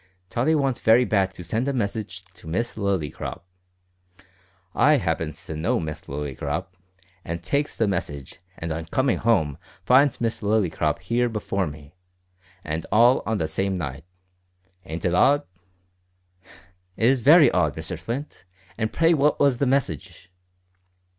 Tottie wants very bad to send a message to Miss Lillycrop. I happens to know Miss Lillycrop, an' takes the message, and on coming home finds Miss Lillycrop here before me and all on the same night ain't it odd?" "It is very odd, Mr Flint; and pray what was the message?"